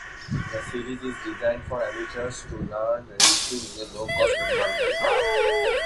The series is designed for amateurs to learn racing in a low-cost environment.